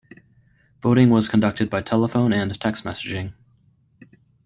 Voting was conducted by telephone and text messaging.